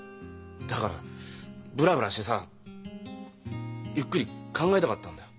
だからブラブラしてさゆっくり考えたかったんだよ。